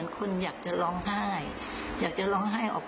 อธิษฐานเรื่องที่ทางค่ะไม่ได้เรื่องอื่น